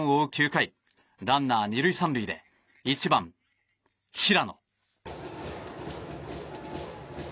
９回ランナー２塁３塁で１番、平野。